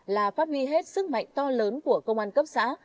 là phát huy hết sức mạnh to lớn của công an cấp xã